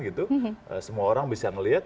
gitu semua orang bisa melihat